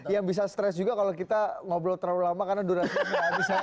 yang bisa stres juga kalau kita ngobrol terlalu lama karena durasi nggak bisa